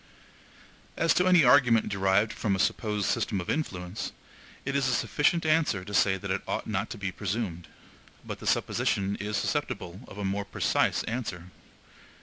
As to any argument derived from a supposed system of influence, it is a sufficient answer to say that it ought not to be presumed; but the supposition is susceptible of a more precise answer.